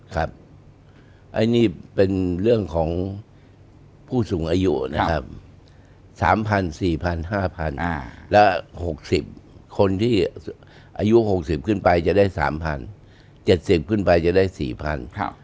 ครับอันนี้เป็นเรื่องของผู้สูงอายุนะครับสามพันสี่พันห้าพันและหกสิบคนที่อายุหกสิบขึ้นไปจะได้สามพันเจ็ดสิบขึ้นไปจะได้สี่พัน